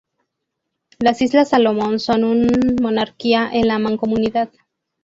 Las Islas Salomón son un Monarquía en la Mancomunidad.